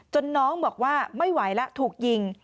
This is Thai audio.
น้องบอกว่าไม่ไหวแล้วถูกยิง